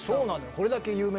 これだけ有名なね